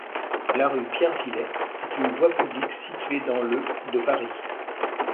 La rue Pierre-Villey est une voie publique située dans le de Paris.